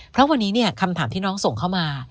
เพราะวันนี้คำถามที่น้องส่งเข้ามา